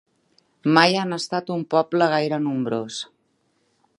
Mai han estat un poble gaire nombrós.